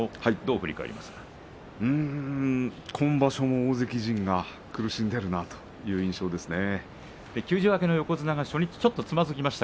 うーん、今場所も大関陣が苦しんでいるなという感じですね。